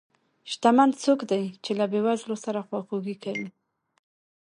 شتمن څوک دی چې له بې وزلو سره خواخوږي کوي.